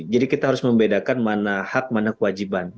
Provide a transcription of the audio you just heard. jadi kita harus membedakan mana hak mana kewajiban